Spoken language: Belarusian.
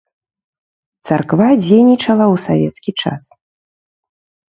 Царква дзейнічала ў савецкі час.